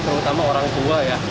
terutama orang tua ya